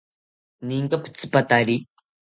Ninka pitzipatari?